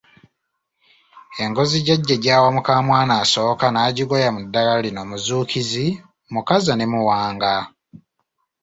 Engozi jajja gy’awa mukamwana asooka n’agigoya mu ddagala lino; muzuukizi, mukaza ne muwanga.